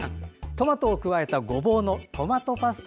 トマトを加えたごぼうのトマトパスタ